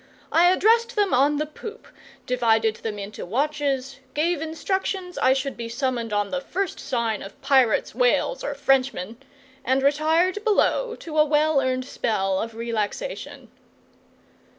I addressed them on the poop, divided them into watches, gave instructions I should be summoned on the first sign of pirates, whales, or Frenchmen, and retired below to a well earned spell of relaxation.